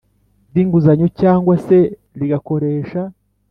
Bw inguzanyo cyangwa se rigakoresha